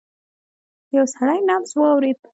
يو سړی نبض واورېد.